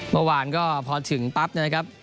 เมื่อวานก็พอถึงปั๊บเนี่ยนะครับ